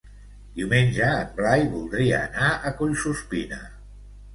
Diumenge en Blai voldria anar a Collsuspina.